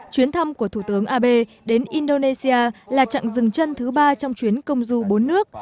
chuyến thăm của thủ tướng abe đến indonesia là chặng dừng chân thứ ba trong chuyến công du bốn nước